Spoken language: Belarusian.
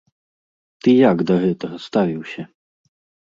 Ты як да гэтага ставіўся?